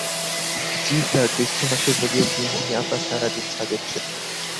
জ্বি স্যার জ্যৈষ্ঠ মাসের রোদেও তিন্নি আপা সারা দিন ছাদে বসে থাকেন।